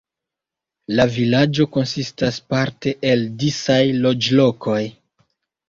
La vilaĝo konsistas parte el disaj loĝlokoj.